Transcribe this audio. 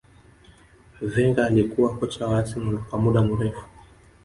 Wenger alikuwa kocha wa arsenal kwa muda mrefu